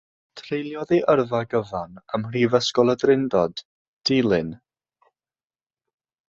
Treuliodd ei yrfa gyfan ym Mhrifysgol y Drindod, Dulyn.